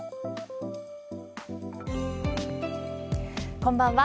こんばんは。